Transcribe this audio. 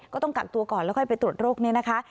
ก็ต้องกักตัวก่อนแล้วค่อยไปตรวจโรคนี้นะคะ